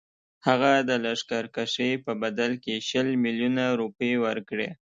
هغه د لښکرکښۍ په بدل کې شل میلیونه روپۍ ورکړي.